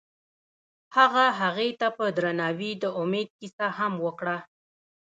هغه هغې ته په درناوي د امید کیسه هم وکړه.